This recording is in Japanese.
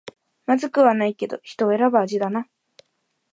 まずくはないけど人を選ぶ味だな